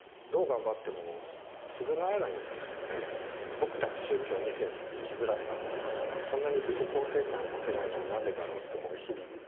僕たち宗教２世の生きづらさとかこんなに自己肯定感を持てないのはなんでだろうと日々。